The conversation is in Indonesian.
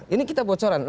ini kita bocoran